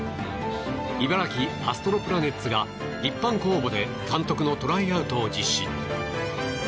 茨城アストロプラネッツが一般公募で監督のトライアウトを実施。